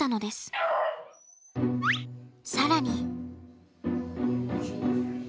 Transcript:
更に。